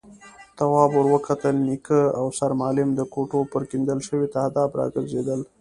تواب ور وکتل، نيکه او سرمعلم د کوټو پر کېندل شوي تهداب راګرځېدل.